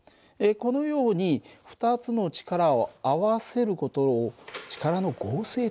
このように２つの力を合わせる事を力の合成というんだ。